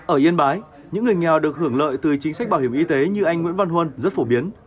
ở yên bái những người nghèo được hưởng lợi từ chính sách bảo hiểm y tế như anh nguyễn văn huân rất phổ biến